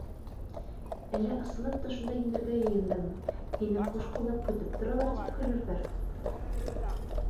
Әллә ысынлап та шунда инергә йыйындыңмы, һине ҡушҡуллап көтөп торалар тип көлөрҙәр.